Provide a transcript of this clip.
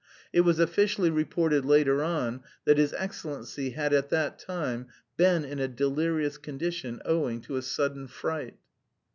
It was officially reported later on that his Excellency had at that time been in a delirious condition "owing to a sudden fright."